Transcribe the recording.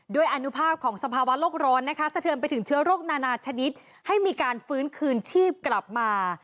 อนุภาพของสภาวะโลกร้อนนะคะสะเทือนไปถึงเชื้อโรคนานาชนิดให้มีการฟื้นคืนชีพกลับมา